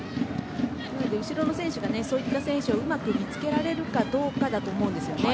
後ろの選手がそういった選手をうまく見つけられるかだと思います。